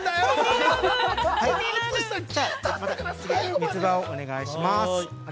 ◆三つ葉をお願いします。